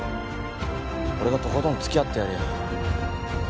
俺がとことんつきあってやるよ